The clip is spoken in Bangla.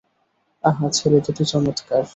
আহা, ছেলে দুটি চমৎকার।